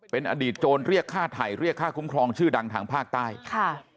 เป็นอดีตโจรเรียกค่าไถ่เรียกค่าคุ้มครองชื่อดังทางภาคใต้ค่ะ